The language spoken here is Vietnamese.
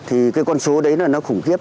thì cái con số đấy là nó khủng khiếp